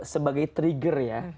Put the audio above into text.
sebagai trigger ya